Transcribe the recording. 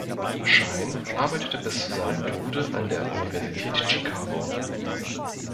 Schein arbeitete bis zu seinem Tode an der Universität Chicago.